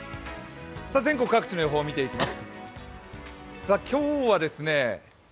全国各地の予報を見ていきます。